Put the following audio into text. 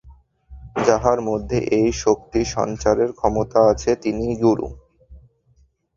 যাঁহার মধ্যে এই শক্তি-সঞ্চারের ক্ষমতা আছে, তিনিই গুরু।